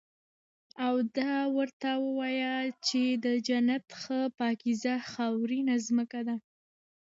او دا ورته ووايه چې د جنت ښه پاکيزه خاورينه زمکه ده